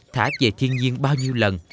thả về thiên nhiên bao nhiêu lần